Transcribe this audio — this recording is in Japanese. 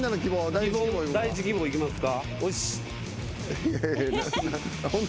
第１希望行きますか？